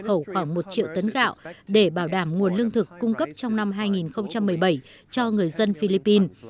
xuất khẩu khoảng một triệu tấn gạo để bảo đảm nguồn lương thực cung cấp trong năm hai nghìn một mươi bảy cho người dân philippines